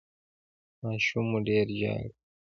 ماشوم مو ډیر ژاړي؟